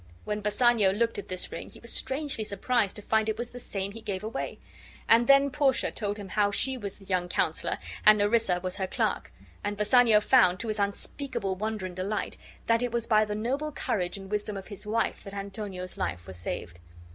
When Bassanio looked at this ring be was strangely surprised to find it was the same he gave away; and then Portia told him how she was the young counselor, and Nerissa was her clerk; and Bassanio found, to his unspeakable wonder and delight, that it was by the noble courage and wisdom of his wife that Antonio's life was saved.